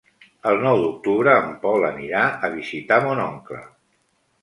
El nou d'octubre en Pol anirà a visitar mon oncle.